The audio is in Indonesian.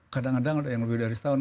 kadang kadang lebih dari setahun